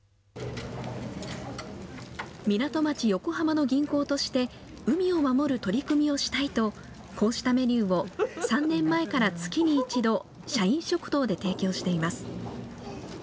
港町、横浜の銀行として海を守る取り組みをしたいとこうしたメニューを３年前から月に１度、社員食堂で提供しています。